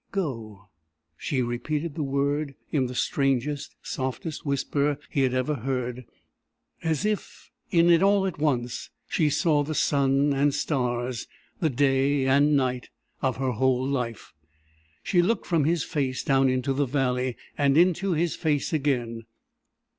"Go!" She repeated the word in the strangest, softest whisper he had ever heard, as if in it all at once she saw the sun and stars, the day and night, of her whole life. She looked from his face down into the valley, and into his face again.